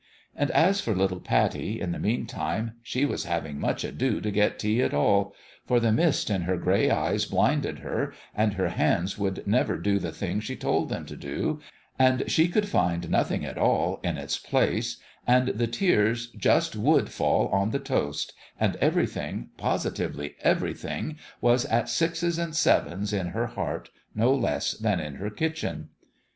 And as for little Pattie, in the meantime, she was having much ado to get tea at all : for the mist in her gray eyes blinded her, and her hands would never do LOfE AND LABOUR the thing she told them to, and she could find nothing at all in its place, and the tears just would fall on the toast, and everything, positively everything, was at sixes and sevens in her heart no less than in her kitchen.